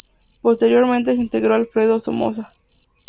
Posteriormente se integró Alfredo Somoza.